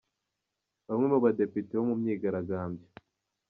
Bamwe mu badepite mu myigaragambyo